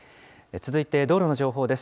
続いて道路の情報です。